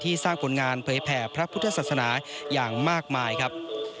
สร้างผลงานเผยแผ่พระพุทธศาสนาอย่างมากมายครับ